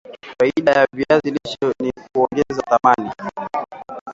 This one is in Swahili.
Faida ya viazi lishe ni kuongeza thamani